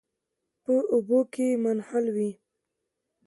په اوبو کې منحل وي.